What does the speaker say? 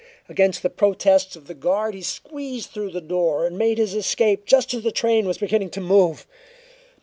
Against the protests of the guard, he squeezed through the door and made his escape just as the train was beginning to move.